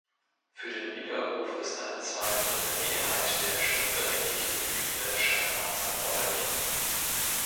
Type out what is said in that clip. Für den Widerruf ist eine Zwei-Drittel-Mehrheit der stimmberechtigten Mitglieder des Stadtrats erforderlich.